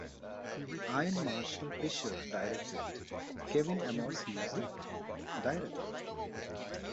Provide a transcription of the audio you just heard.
Ian Marshall Fisher directed, Kevin Amos Music, Director.